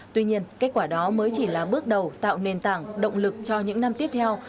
tuy nhiên kết quả đó mới chỉ là bước đầu tạo nền tảng động lực cho những năm tiếp theo